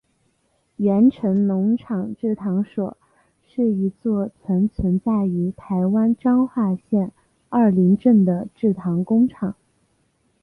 源成农场制糖所是一座曾存在于台湾彰化县二林镇的制糖工厂。